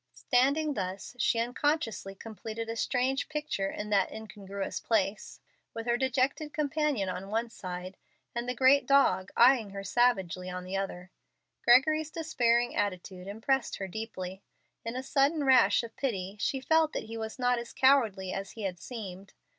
Standing thus, she unconsciously completed a strange picture in that incongruous place, with her dejected companion on one side, and the great dog, eying her savagely, on the other. Gregory's despairing attitude impressed her deeply. In a sudden rash of pity she felt that he was not as cowardly as he had seemed.